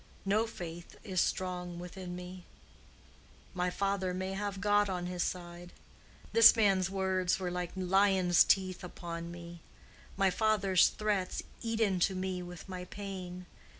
No faith is strong within me. My father may have God on his side. This man's words were like lion's teeth upon me. My father's threats eat into me with my pain.